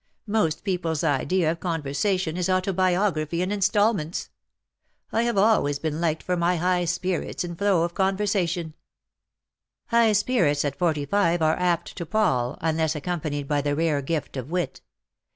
Most people^s idea of conversa tion is autobiography in instalments. I have always been liked for my high spirits and flow of conver sation/^ High spirits at forty five are apt to pall, unless accompanied by the rare gift of wit.